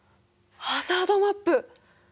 ハザードマップ！